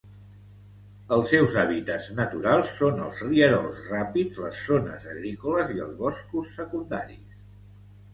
Els seus hàbitats naturals són els rierols ràpids, les zones agrícoles i els boscos secundaris.